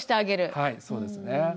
はいそうですね。